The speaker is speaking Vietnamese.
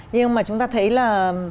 nhưng mà chúng ta thấy là